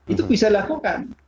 itu bisa dilakukan